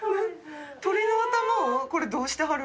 鳥の頭をこれどうしてはる。